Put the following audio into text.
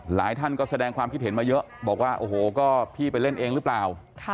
หลายท่านก็แสดงความคิดเห็นมาเยอะบอกว่าโอ้โหก็พี่ไปเล่นเองหรือเปล่า